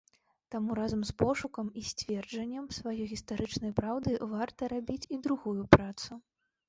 Таму разам з пошукам і сцверджаннем сваёй гістарычнай праўды варта рабіць і другую працу.